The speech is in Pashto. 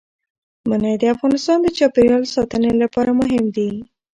منی د افغانستان د چاپیریال ساتنې لپاره مهم دي.